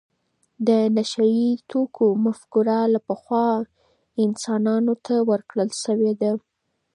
د نشه یې توکو مفکوره له پخوا انسانانو ته ورکړل شوې ده.